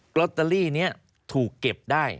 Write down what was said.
ลอตเตอรี่นี้ถูกเก็บได้